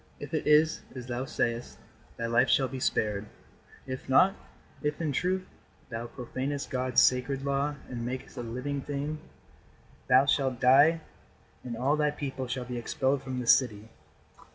If it is as thou sayest, thy life shall be spared. If not if, in truth, thou profanest God's sacred law and makest a living thing, thou shalt die and all thy people shall be expelled from this city."